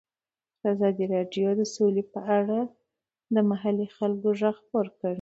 ازادي راډیو د سوله په اړه د محلي خلکو غږ خپور کړی.